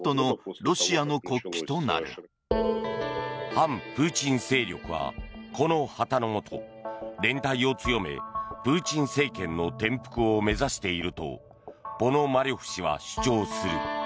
反プーチン勢力はこの旗のもと連帯を強めプーチン政権の転覆を目指しているとポノマリョフ氏は主張する。